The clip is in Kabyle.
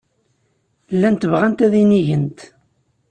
Llant bɣant ad inigent.